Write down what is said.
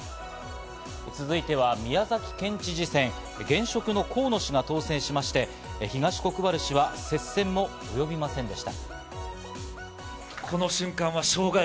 続いては、宮崎県知事選、現職の河野氏が当選しまして、東国原氏は接戦も、及びませんでした。